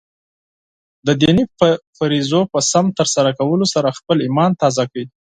د دیني فریضو په سم ترسره کولو سره خپله ایمان تازه کړئ.